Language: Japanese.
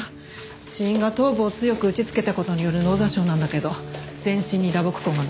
死因が頭部を強く打ちつけた事による脳挫傷なんだけど全身に打撲痕が残ってた。